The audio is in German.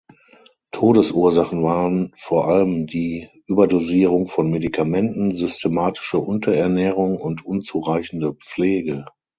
Todesursachen waren vor allem die Überdosierung von Medikamenten, systematische Unterernährung und unzureichende Pflege.